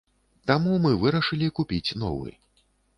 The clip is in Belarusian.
Таму мы вырашылі купіць новы.